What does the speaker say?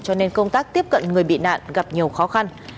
cho nên công tác tiếp cận người bị nạn gặp nhiều khó khăn